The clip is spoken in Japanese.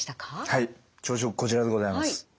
こちらでございます。